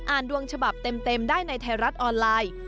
อ่านดวงฉบับเต็มเต็มได้ในไทยรัฐออนไลน์